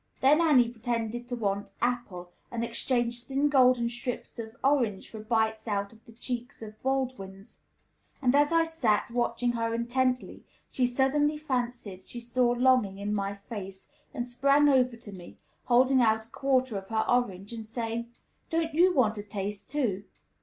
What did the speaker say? Then Annie pretended to want apple, and exchanged thin golden strips of orange for bites out of the cheeks of Baldwins; and, as I sat watching her intently, she suddenly fancied she saw longing in my face, and sprang over to me, holding out a quarter of her orange, and saying, "Don't you want a taste, too?"